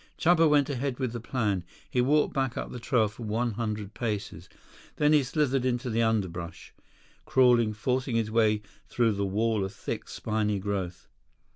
Chuba went ahead with the plan. He walked back up the trail for one hundred paces. Then he slithered into the underbrush, crawling, forcing his way through the wall of thick, spiny growth.